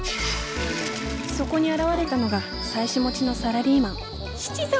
そこに現れたのが妻子持ちのサラリーマン七三